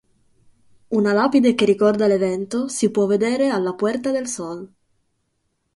Una lapide che ricorda l'evento si può vedere alla Puerta del Sol.